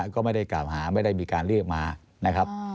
ก็ไม่ได้กล่าวหาไม่ได้มีการเรียกมานะครับ